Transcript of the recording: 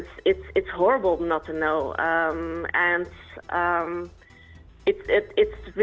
dan itu sangat mengerikan untuk tidak mengetahui